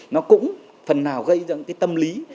nó cũng phần nào gây ra cái tâm lý